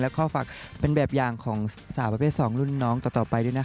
แล้วก็ฝากเป็นแบบอย่างของสาวประเภท๒รุ่นน้องต่อไปด้วยนะคะ